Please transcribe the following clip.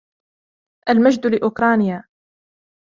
المجد لأوكرانيا